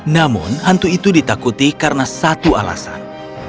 namun hantu itu ditakuti karena satu alasan